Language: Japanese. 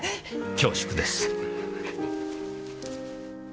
恐縮です。